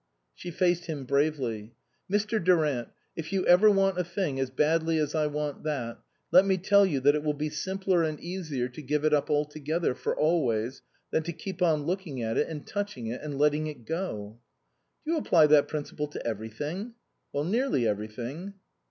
She faced him bravely. " Mr. Durant, if you ever want a thing as badly as I want that, let me tell you that it will be simpler and easier to give it up altogether, for always, than to keep on looking at it and touching it and letting it go." " Do you apply that principle to everything? "" Nearly everything."